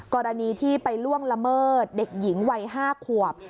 กรณีที่ไปล่วงละเมิดเด็กหญิงวัย๕ขวบ